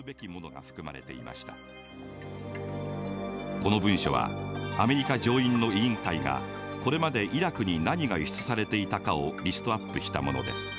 この文書はアメリカ上院の委員会がこれまでイラクに何が輸出されていたかをリストアップしたものです。